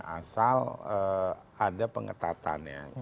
asal ada pengetatan ya